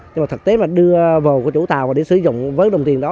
nhưng mà thực tế mà đưa vào của chủ tàu và để sử dụng với đồng tiền đó